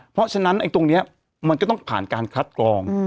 เพราะฉะนั้นตรงนี้มันก็ต้องผ่านการคัดกรอง